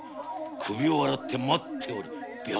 首を洗って待っておれ白狐」